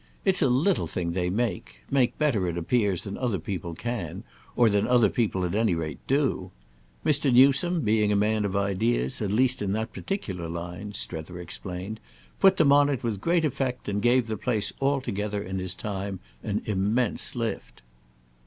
It's a little thing they make—make better, it appears, than other people can, or than other people, at any rate, do. Mr. Newsome, being a man of ideas, at least in that particular line," Strether explained, "put them on it with great effect, and gave the place altogether, in his time, an immense lift."